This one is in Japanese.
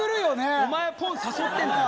お前がポン誘ってんだよ。